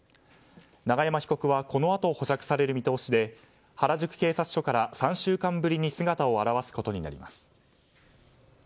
永山被告はこのあと保釈される見通しで原宿警察署から３週間ぶりに姿を現すことになります。